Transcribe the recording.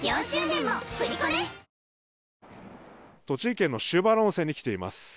栃木県の塩原温泉に来ています。